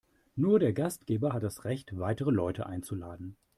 Nur der Gastgeber hat das Recht, weitere Leute einzuladen.